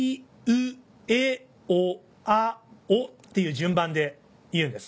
っていう順番で言うんです。